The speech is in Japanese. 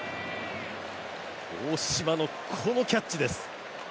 大島のこのキャッチです。